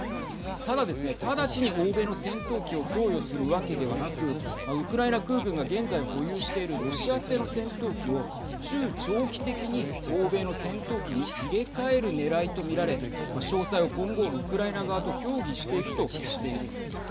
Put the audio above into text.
ただですね、直ちに欧米の戦闘機を供与するわけではなくウクライナ空軍が現在保有しているロシア製の戦闘機を中長期的に欧米の戦闘機に入れ替えるねらいと見られ詳細を今後、ウクライナ側と協議していくとしているんです。